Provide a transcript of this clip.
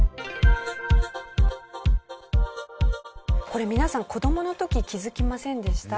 これ皆さん子どもの時気づきませんでした？